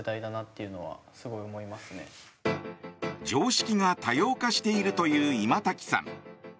常識が多様化しているという今瀧さん。